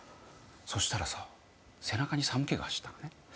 そしたらさ背中に寒気が走ったのね。